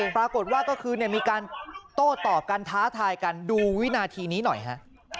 ปรากฏว่าเมื่อคืนเนี่ยมีการโต้ตอบกันท้าทายกันดูวินาทีนี้หน่อยฮะ